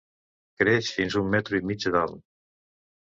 Creix fins a un metre i mig d'alt.